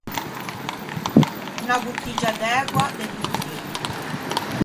Unna bottiggia d’ægua, de vin neigro.